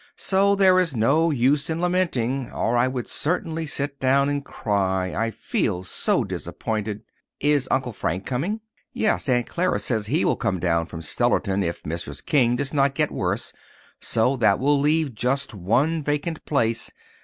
"So there is no use in lamenting, or I would certainly sit down and cry, I feel so disappointed." "Is Uncle Frank coming?" "Yes, Aunt Clara says he will come down from Stellarton if Mrs. King does not get worse. So that will leave just one vacant place.